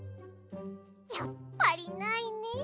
やっぱりないね。